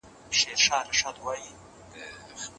د خوب پخواني تصویرونه د ده له ذهنه پاک شول.